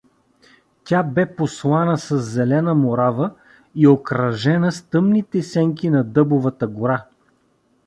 Тя бе постлана със зелена морава и окръжена с тъмните сенки на дъбовата гора.